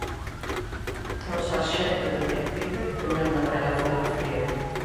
E o sarxento detective tremeu naquela cela fría.